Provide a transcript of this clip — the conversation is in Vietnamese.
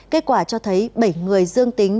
kết quả cho thấy bảy người dương tính